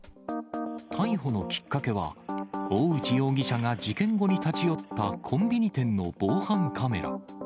逮捕のきっかけは、大内容疑者が事件後に立ち寄ったコンビニ店の防犯カメラ。